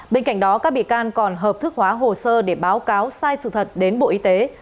bên cạnh đó các bị can còn hợp thức hóa hồ sơ để báo cáo sai sự thật đến bộ y tế